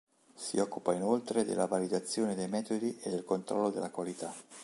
Si occupa inoltre della validazione dei metodi e del controllo della qualità.